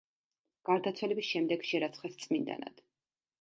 გარდაცვალების შემდეგ შერაცხეს წმინდანად.